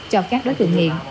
cho các đối tượng hiện